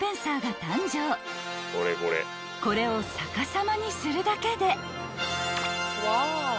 ［これを逆さまにするだけで］